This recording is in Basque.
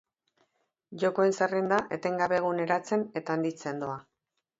Jokoen zerrenda etengabe eguneratzen eta handitzen doa.